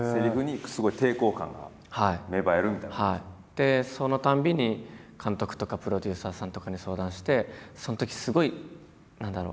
でそのたんびに監督とかプロデューサーさんとかに相談してそのときすごい何だろう